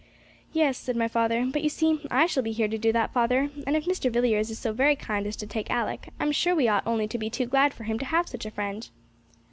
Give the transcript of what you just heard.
'Yes,' said my father; 'but, you see, I shall be here to do that, father; and if Mr. Villiers is so very kind as to take Alick, I'm sure we ought only to be too glad for him to have such a friend.'